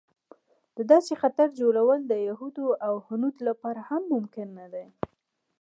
د داسې خطر جوړول د یهود او هنود لپاره هم ممکن نه دی.